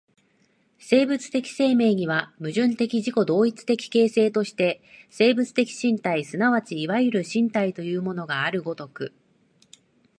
生物的生命には、矛盾的自己同一的形成として生物的身体即ちいわゆる身体というものがある如く、